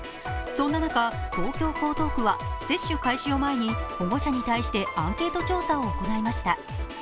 そんな中、東京・江東区は接種開始を前に保護者に対してアンケート調査を行いました。